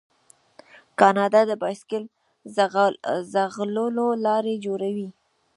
کاناډا د بایسکل ځغلولو لارې جوړوي.